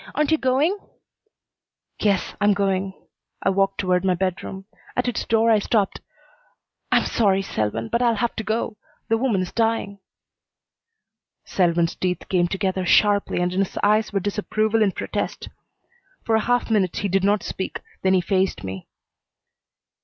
Aren't you going?" "Yes I'm going." I walked toward my bedroom. At its door I stopped. "I'm sorry, Selwyn, but I'll have to go. The woman is dying." Selwyn's teeth came together sharply and in his eyes were disapproval and protest. For a half minute he did not speak, then he faced me.